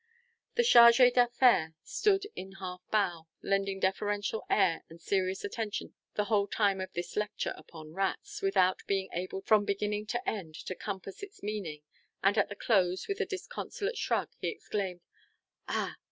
The chargé d'affaires stood in half bow, lending deferential ear and serious attention the whole time of this lecture upon rats, without being able from beginning to end to compass its meaning, and at the close, with a disconsolate shrug, he exclaimed, "_Ah!